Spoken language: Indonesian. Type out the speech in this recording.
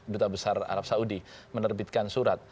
duta besar arab saudi menerbitkan surat